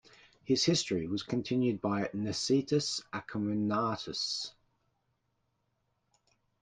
His history was continued by Nicetas Acominatus.